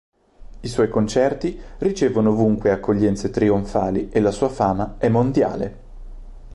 I suoi concerti ricevono ovunque accoglienze trionfali e la sua fama è mondiale.